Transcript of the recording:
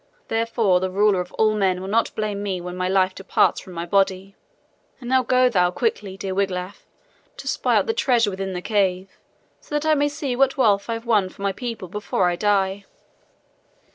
Therefore the Ruler of all men will not blame me when my life departs from my body. "And now go thou quickly, dear Wiglaf, to spy out the treasure within the cave, so that I may see what wealth I have won for my people before I die."